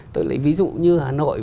tôi lấy ví dụ như hà nội